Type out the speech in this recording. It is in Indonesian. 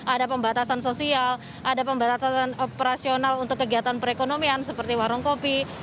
ada pembatasan sosial ada pembatasan operasional untuk kegiatan perekonomian seperti warung kopi